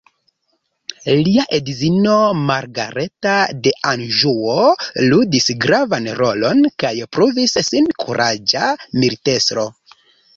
Lia edzino Margareta de Anĵuo ludis gravan rolon kaj pruvis sin kuraĝa militestro.